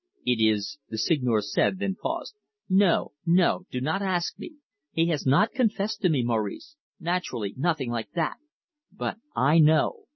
"It is " the Seigneur said, then paused. "No, no; do not ask me. He has not confessed to me, Maurice naturally, nothing like that. But I know.